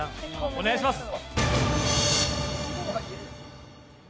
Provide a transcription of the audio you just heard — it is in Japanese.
お願いします。